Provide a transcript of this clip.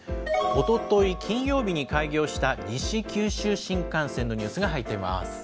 おととい金曜日に開業した西九州新幹線のニュースが入ってます。